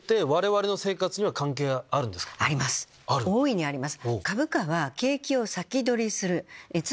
大いにあります。